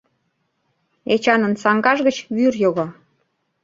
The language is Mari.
Эчанын саҥгаж гыч вӱр йога.